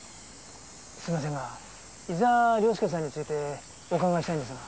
すいませんが伊沢良介さんについてお伺いしたいんですが。